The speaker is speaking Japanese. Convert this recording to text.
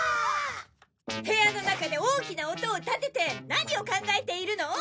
部屋の中で大きな音を立てて何を考えているの？